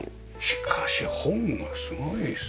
しかし本がすごいですね。